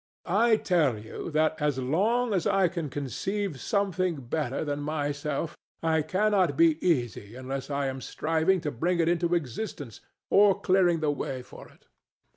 I tell you that as long as I can conceive something better than myself I cannot be easy unless I am striving to bring it into existence or clearing the way for it.